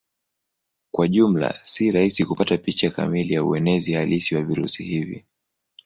Kwa jumla si rahisi kupata picha kamili ya uenezi halisi wa virusi hivi.